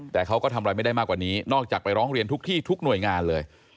แต่เขาก็ทำอะไรไม่ได้มากกว่านี้นอกจากไปร้องเรียนทุกที่ทุกหน่วยงานเลย